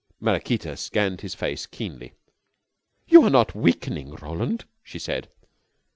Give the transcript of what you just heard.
Maraquita scanned his face keenly. "You are not weakening, Roland?" she said.